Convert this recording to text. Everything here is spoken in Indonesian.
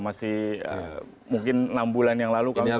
masih mungkin enam bulan yang lalu kami percaya